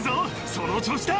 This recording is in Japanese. その調子だ！